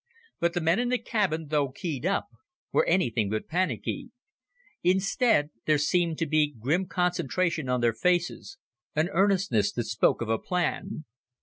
But the men in the cabin, though keyed up, were anything but panicky. Instead, there seemed to be grim concentration on their faces, an earnestness that spoke of a plan.